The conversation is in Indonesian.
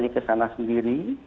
ke sana sendiri